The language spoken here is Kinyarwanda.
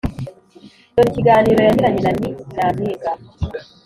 Dore ikiganiro yagiranye na Ni Nyampinga.